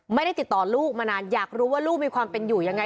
ไม่ได้ติดต่อลูกมานานอยากรู้ว่าลูกมีความเป็นอยู่ยังไง